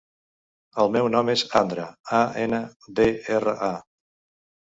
El meu nom és Andra: a, ena, de, erra, a.